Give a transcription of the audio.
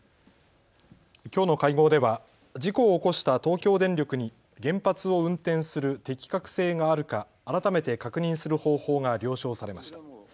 きょうの会合では事故を起こした東京電力に原発を運転する適格性があるか改めて確認する方法が了承されました。